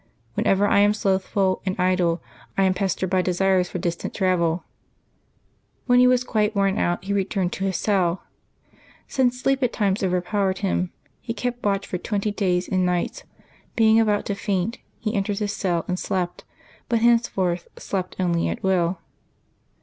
" Whenever I am slothful and idle, I am pestered by desires for distant travel.*' When he was quite worn out he returned to his cell. Since sleep at times overpowered him, he kept watch for twenty days and nights; being about to faint, he entered his cell and slept, but henceforth slept only at will.